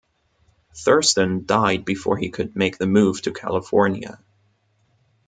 Thurston died before he could make the move to California.